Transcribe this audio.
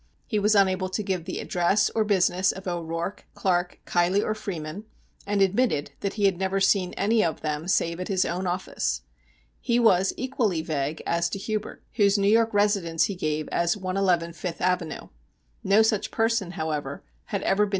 He was unable to give the address or business of O'Rourke, Clark, Keilly or Freeman, and admitted that he had never seen any of them save at his own office. He was equally vague as to Hubert, whose New York residence he gave as 111 Fifth Avenue. No such person, however, had ever been known at that address.